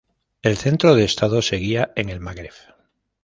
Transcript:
El centro de Estado seguía en el Magreb.